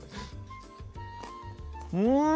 うん！